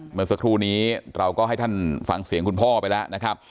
เมื่อสักครู่นี้เราก็ให้ท่านฟังเสียงคุณพ่อไปแล้วนะครับ